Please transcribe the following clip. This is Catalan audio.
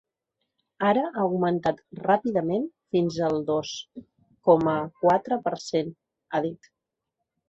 Ara ha augmentat ràpidament fins al dos coma quatre per cent, ha dit.